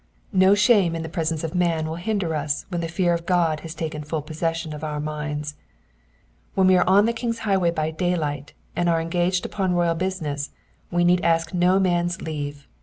No shame in the presence of man will hinder us when the fear of God has taken full possession of our minds. When we arc on the king*s highway by daylight, and are engaged upon royal business, we need ask no man^s leave.